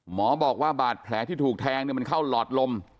หมอบอกว่าบาดแผลที่ถูกแทงมันเข้าหลอดลม